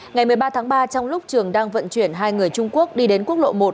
ngày một mươi ba tháng ba trong lúc trường đang vận chuyển hai người trung quốc đi đến quốc lộ một